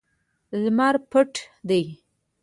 لمر پټ دی